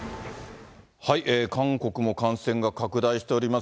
韓国も感染が拡大しております。